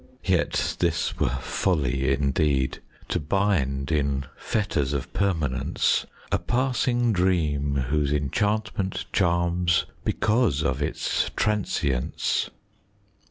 Yet, this were folly indeed; to bind, in fetters of permanence, A passing dream whose enchantment charms because of its trancience.